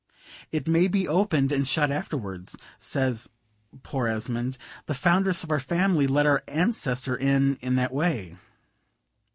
"It may have been opened and shut afterwards," says poor Esmond; "the foundress of our family let our ancestor in in that way."